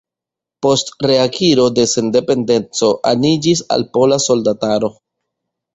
Post reakiro de sendependeco aniĝis al Pola Soldataro.